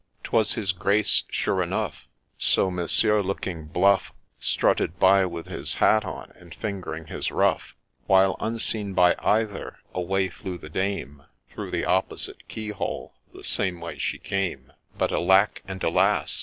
'Twas his Grace, sure enough ; So Monsieur, looking bluff, Strutted by, with his hat on, and fingering his ruff, While, unseen by either, away flew the Dame Through the opposite key hole, the same way she came ; But, alack ! and alas